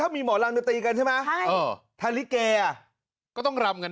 ถ้ามีหมอรำจะตีกันใช่ไหมใช่อ๋ออ๋อถ้าลิเกย์อ่ะก็ต้องรำกัน